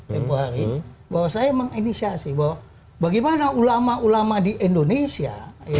tempoh hari bahwa saya menginisiasi bahwa bagaimana ulama ulama di indonesia